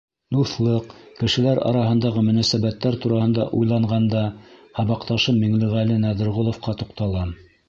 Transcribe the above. Дуҫлыҡ, кешеләр араһындағы мөнәсәбәттәр тураһында уйланғанда һабаҡташым Миңлеғәле Нәҙерғоловҡа туҡталам.